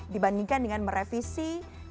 dibandingkan dengan merevisi